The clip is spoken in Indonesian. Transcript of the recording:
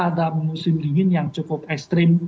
ada musim dingin yang cukup ekstrim